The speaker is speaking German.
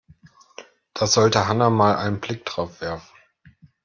Da sollte Hanna mal einen Blick drauf werfen.